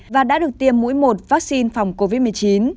và đã được tiêm mũi một vaccine phòng covid một mươi chín